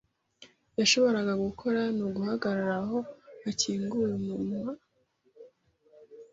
yashoboraga gukora ni uguhagarara aho akinguye umunwa. (patgfisher)